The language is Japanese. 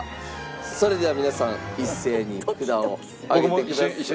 それでは皆さん一斉に札を上げてください。